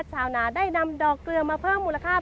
ชาวนาได้นำดอกเกลือมาเพิ่มมูลค่า